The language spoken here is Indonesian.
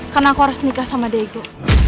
karena aku harus nikah sama diego